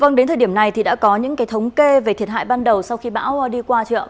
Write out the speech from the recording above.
vâng đến thời điểm này thì đã có những thống kê về thiệt hại ban đầu sau khi bão đi qua chưa ạ